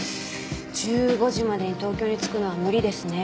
１５時までに東京に着くのは無理ですね。